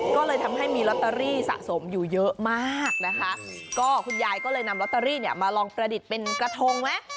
ก็เลยนำลอตเตอรี่มาลองประดิษฐ์เป็นกระทงไหม